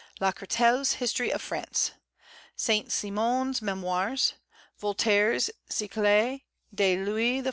Lacretelle's History of France; St. Simon's Mémoires; Voltaire's Siècle de Louis XIV.